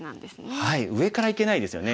はい上からいけないですよね。